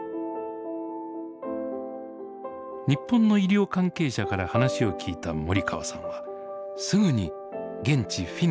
日本の医療関係者から話を聞いた森川さんはすぐに現地・フィンランドを訪ねました。